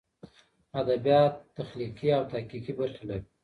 ادبیات تخلیقي او تحقیقي برخې لري.